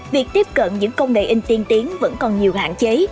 việc tiếp cận những công nghệ in tiên tiến vẫn còn nhiều hạn chế